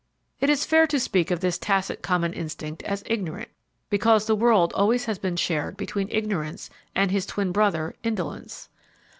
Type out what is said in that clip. It is fair to speak of this tacit common instinct as ignorant, because the world always has been shared between Ignorance and his twin brother, Indolence.